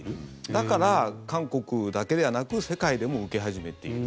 だから、韓国だけではなく世界でも受け始めている。